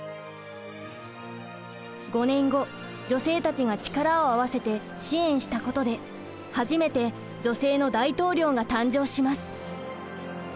５年後女性たちが力を合わせて支援したことで初めて女性の大統領が誕生します。